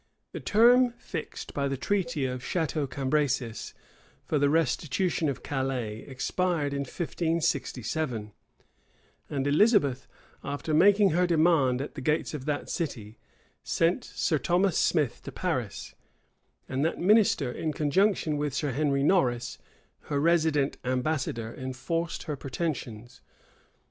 The term fixed by the treaty of Chateau Cambresis for the restitution of Calais, expired in 1567; and Elizabeth, after making her demand at the gates of that city, sent Sir Thomas Smith to Paris; and that minister, in conjunction with Sir Henry Norris, her resident ambassador, enforced her pretensions.